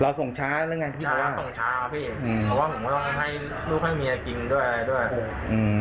ส่งช้าแล้วกันเช้าส่งช้าครับพี่อืมเพราะว่าผมก็ต้องให้ลูกให้เมียกินด้วยอะไรด้วยอืม